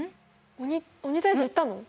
鬼鬼退治行ったの？